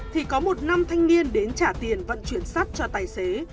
thì có một nam thanh niên đến trả tiền vận chuyển sắt cho tài xế